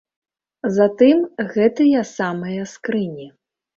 Затым гэтыя самыя скрыні.